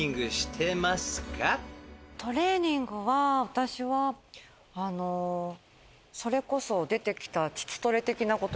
トレーニングは私はそれこそ出てきた。